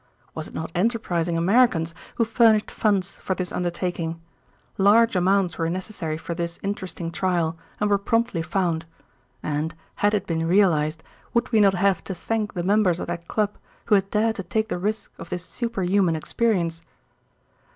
Was it not enterprising Americans who furnished funds for this undertaking? Large amounts were necessary for this interesting trial and were promptly found. And, had it been realized, would we not have to thank the members of that club who had dared to take the risk of this super human experience?